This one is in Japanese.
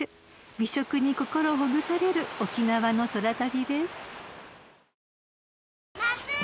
［美食に心ほぐされる沖縄の空旅です］